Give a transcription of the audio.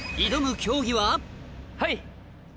はい。